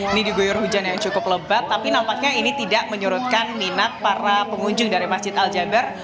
ini diguyur hujan yang cukup lebat tapi nampaknya ini tidak menyurutkan minat para pengunjung dari masjid al jabar